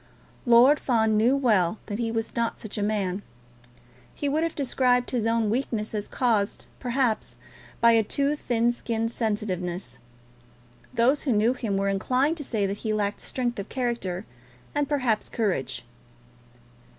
Lord Fawn knew well that he was not such a man. He would have described his own weakness as caused, perhaps, by a too thin skinned sensitiveness. Those who knew him were inclined to say that he lacked strength of character, and, perhaps, courage.